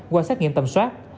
qua xác nghiệm tầm soát